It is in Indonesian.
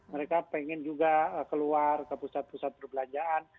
mereka pengen juga keluar ke pusat pusat perbelanjaan